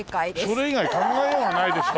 それ以外考えようがないでしょ。